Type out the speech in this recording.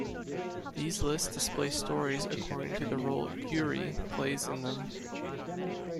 These lists display stories according to the role "yuri" plays in them.